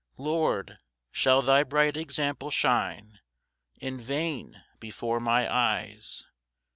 5 Lord, shall thy bright example shine In vain before my eyes?